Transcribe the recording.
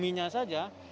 bagi umumnya saja